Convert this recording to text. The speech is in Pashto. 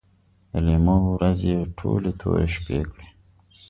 د لیمو ورځې یې ټولې تورې شپې کړې